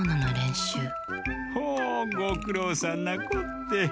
ほうごくろうさんなこって。